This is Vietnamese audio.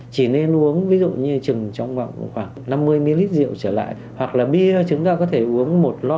chỉ nên uống ví dụ như chừng trong khoảng năm mươi ml rượu trở lại hoặc là bia chúng ta có thể uống một lon hoặc là hai lon